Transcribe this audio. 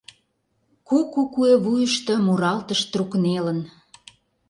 Куку куэ вуйышто Муралтыш трук нелын.